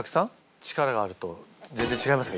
力があると全然違いますか？